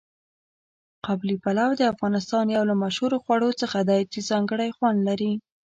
قابلي پلو د افغانستان یو له مشهورو خواړو څخه دی چې ځانګړی خوند لري.